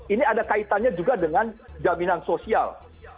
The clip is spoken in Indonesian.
ini ada kaitannya juga dengan jaminan sosial